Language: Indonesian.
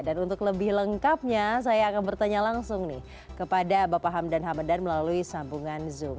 dan untuk lebih lengkapnya saya akan bertanya langsung nih kepada bapak hamdan hamadan melalui sambungan zoom